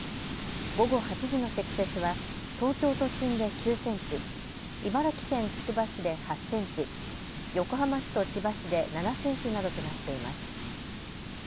午後８時の積雪は東京都心で９センチ、茨城県つくば市で８センチ、横浜市と千葉市で７センチなどとなっています。